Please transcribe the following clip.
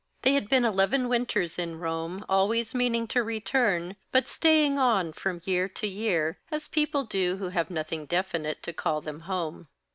They had been eleven winters in Rome, always meaning to return, but staying on from year to year, as people do who have nothing definite to call them home.